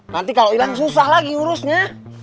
nanti kalau hilang susah lagi urusnya